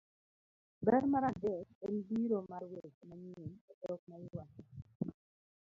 Ber mar adek en biro mar weche manyien e dhok ma iwacho,